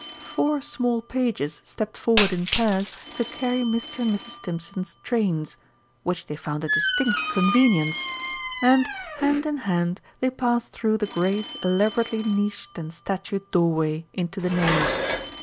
Four small pages stepped forward in pairs to carry Mr. and Mrs. Stimpson's trains, which they found a distinct convenience, and, hand in hand, they passed through the great, elaborately niched and statued doorway into the nave.